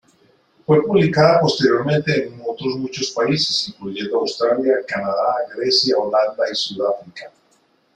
Fue publicada posteriormente en otros muchos países, incluyendo Australia, Canadá, Grecia, Holanda y Sudáfrica.